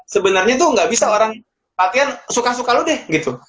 sebenernya tuh gak bisa orang latihan suka suka lu deh gitu